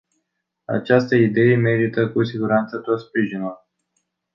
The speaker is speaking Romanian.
Această idee merită cu siguranță tot sprijinul.